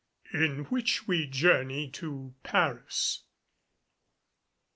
IN WHICH WE JOURNEY TO PARIS.